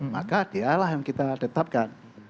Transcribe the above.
maka dialah yang kita tetapkan